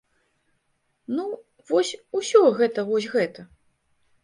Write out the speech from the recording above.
Ну, вось усё гэта вось гэта.